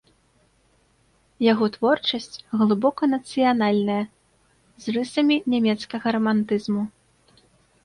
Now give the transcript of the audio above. Яго творчасць глыбока нацыянальная, з рысамі нямецкага рамантызму.